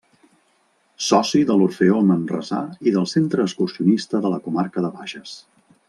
Soci de l’Orfeó Manresà i del Centre Excursionista de la Comarca de Bages.